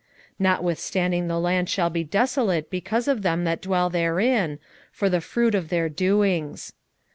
7:13 Notwithstanding the land shall be desolate because of them that dwell therein, for the fruit of their doings.